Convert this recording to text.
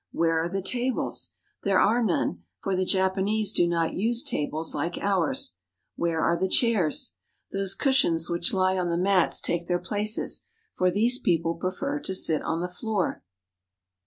Where are the tables ? There are none, for the Japanese do not use tables like ours. Where are the chairs ? Those cushions which lie on the mats take their places, for these people prefer to sit on the floor.